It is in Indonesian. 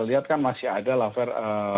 lihat kan masih ada laver